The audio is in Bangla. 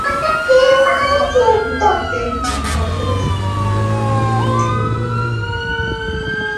তার মনোনীত দীন হলো ইসলাম এবং মুহাম্মদ তাঁর বান্দা ও তাঁর রাসূল।